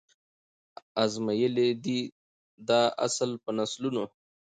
آزمیېلی دی دا اصل په نسلونو